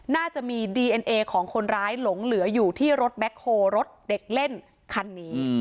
น่าจะมีดีเอ็นเอของคนร้ายหลงเหลืออยู่ที่รถแบ็คโฮรถเด็กเล่นคันนี้